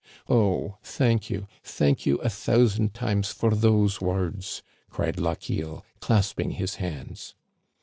" Oh ! thank you, thank you a thousand times for those words," cried Lochiel, clasping his hands.